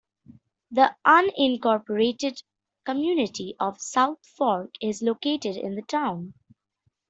The unincorporated community of South Fork is located in the town.